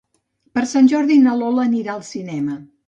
Per Sant Jordi na Lola anirà al cinema.